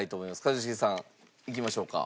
一茂さんいきましょうか。